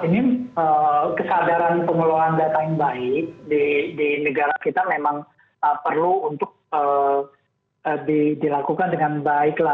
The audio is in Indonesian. ini kesadaran pengelolaan data yang baik di negara kita memang perlu untuk dilakukan dengan baik